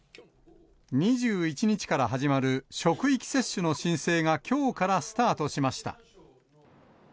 ２１日から始まる職域接種の申請がきょうからスタートしました。